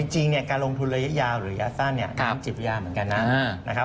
จริงการลงทุนระยะยาวหรือระยะสั้นจิบยาวเหมือนกันนะ